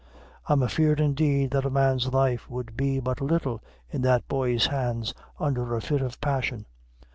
I'm afeard, indeed', that a man's life would be but little in that boy's hands under a fit of passion.